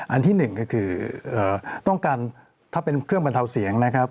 อันที่๑ก็คือถ้าเป็นเครื่องมันเถาเสียงนะครับ